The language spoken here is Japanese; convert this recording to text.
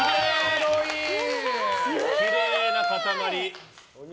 きれいな塊。